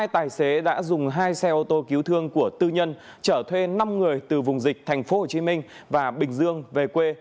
hai tài xế đã dùng hai xe ô tô cứu thương của tư nhân chở thuê năm người từ vùng dịch tp hcm và bình dương về quê